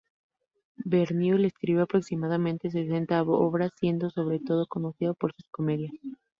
Verneuil escribió aproximadamente sesenta obras, siendo sobre todo conocido por sus comedias.